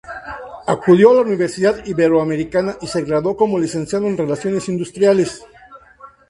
Acudió a la Universidad Iberoamericana y se graduó como Licenciado en Relaciones Industriales.